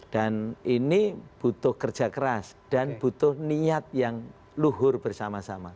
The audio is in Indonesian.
dan ini butuh kerja keras dan butuh niat yang luhur bersama sama